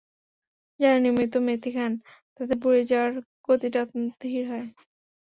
যাঁরা নিয়মিত মেথি খান, তাঁদের বুড়িয়ে যাওয়ার গতিটা অত্যন্ত ধীর হয়।